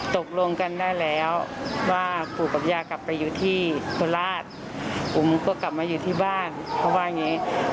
ตกลงกันได้แล้วว่าปู่กับย่ากลับไปอยู่ที่โคราชผมก็กลับมาอยู่ที่บ้านเขาว่าอย่างนี้